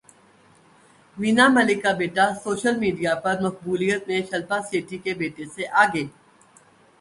وینا ملک کا بیٹا social media پر مقبولیت میں شلپا شیٹھی کے بیٹے سے آگے